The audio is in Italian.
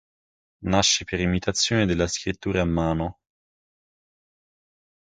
Nasce per imitazione della scrittura a mano.